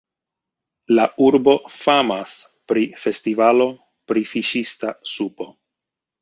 La urbo famas pri festivalo pri fiŝista supo.